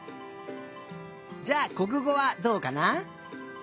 じゃあこくごはどうかな？